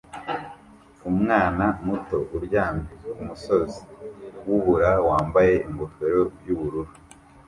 umwana muto uryamye kumusozi wubura wambaye ingofero yubururu